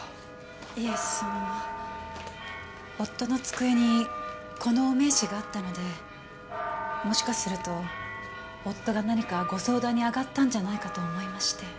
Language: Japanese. いえその夫の机にこのお名刺があったのでもしかすると夫が何かご相談に上がったんじゃないかと思いまして。